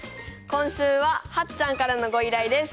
今週ははっちゃんからのご依頼です。